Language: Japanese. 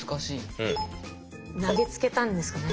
投げつけたんですかね。